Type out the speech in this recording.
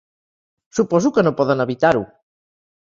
Suposo que no poden evitar-ho.